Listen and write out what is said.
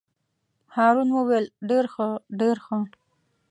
هارون وویل: ډېر ښه ډېر ښه.